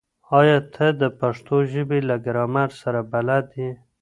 ایا ته د پښتو ژبې له ګرامر سره بلد یې؟